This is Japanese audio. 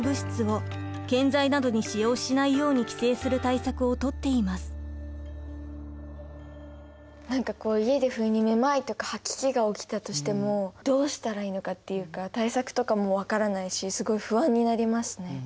国は何かこう家で不意にめまいとか吐き気が起きたとしてもどうしたらいいのかっていうか対策とかも分からないしすごい不安になりますね。